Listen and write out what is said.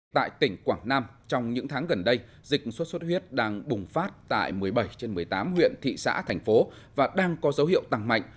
tại tỉnh quảng nam trong những tháng gần đây dịch xuất xuất huyết đang bùng phát tại một mươi bảy trên một mươi tám huyện thị xã thành phố và đang có dấu hiệu tăng mạnh